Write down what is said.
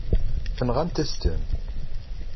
Tenɣamt-as-ten.